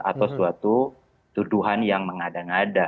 atau suatu tuduhan yang mengada ngada